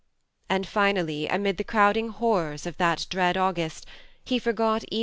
And finally, amid the crowding horrors of that dread August, he forgot even M.